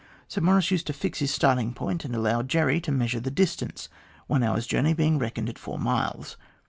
Sir Maurice used to fix his starting point and allow Jerry to measure the distance, one hour's journey being reckoned at four miles.